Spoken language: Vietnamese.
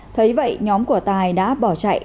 thấy vậy nhóm của tài đã bỏ chạy